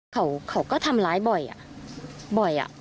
เค้าก็ทำร้ายบ่อยอ่ะ